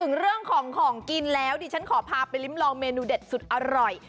ถึงเรื่องของของกินแล้วดิฉันขอพาไปลิ้มลองเมนูเด็ดสุดอร่อย